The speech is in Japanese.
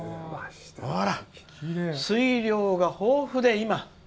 水量が豊富で今。